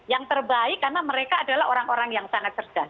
yang terbaik karena mereka adalah orang orang yang sangat cerdas